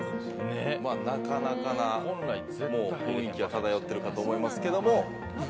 なかなかな雰囲気が漂ってるかとは思いますけども。